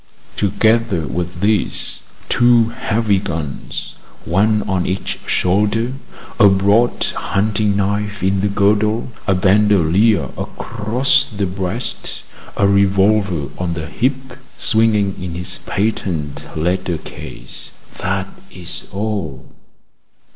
Together with this, two heavy guns, one on each shoulder, a broad hunting knife in the girdle, a bandolier across the breast, a revolver on the hip, swinging in its patent leather case that is all.